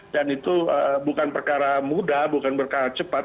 dan itu bukan perkara mudah bukan perkara cepat